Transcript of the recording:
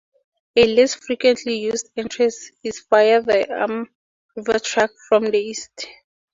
A less frequently used entrance is via the Arm River Track, from the east.